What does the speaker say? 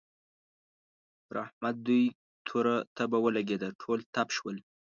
پر احمد دوی توره تبه ولګېده؛ ټول تپ شول.